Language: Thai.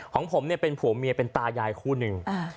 ของผมเนี่ยเป็นผัวเมียเป็นตายายคู่หนึ่ง